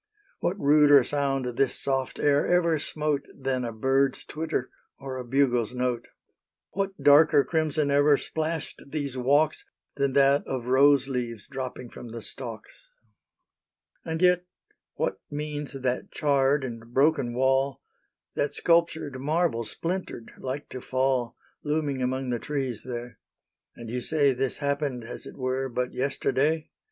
What ruder sound this soft air ever smote Than a bird's twitter or a bugle's note? What darker crimson ever splashed these walks Than that of rose leaves dropping from the stalks? And yet what means that charred and broken wall, That sculptured marble, splintered, like to fall, Looming among the trees there? ... And you say This happened, as it were, but yesterday?